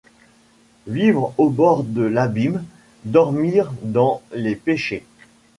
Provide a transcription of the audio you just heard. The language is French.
Vivre au bord de l’abîme, dormir dans les pêchers.